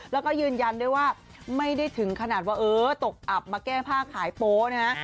แล้วก็ยืนยันด้วยว่าไม่ได้ถึงขนาดว่าเออตกอับมาแก้ผ้าขายโป๊นะฮะ